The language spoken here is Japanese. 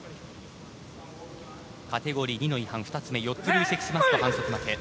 カテゴリー２の違反４つ累積しますと反則負け。